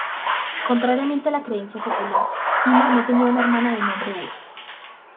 Contrariamente a la creencia popular, Ima no tenía una hermana de nombre Ura.